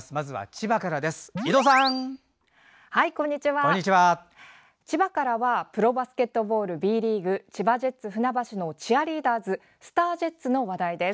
千葉からはプロバスケットボール・Ｂリーグ千葉ジェッツふなばしのチアリーダーズＳＴＡＲＪＥＴＳの話題です。